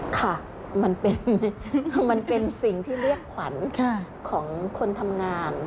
ค่ะมันเป็นมันเป็นสิ่งที่เรียกขวัญของคนทำงาน